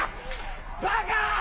バカ！